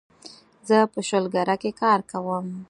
زه په شولګره کې کار کوم